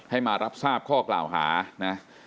ให้มารับทราบข้อกล่าวหานะ